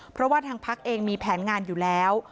เพราะว่าทางพักเองมีแผนงานอยู่แล้ว